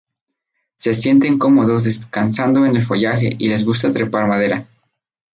Se sienten cómodos descansando en el follaje y les gusta trepar madera.